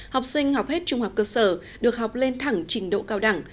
học sinh học hết trung học cơ sở được học lên thẳng trình độ cao đẳng